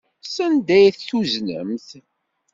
Sanda ay t-tuznemt?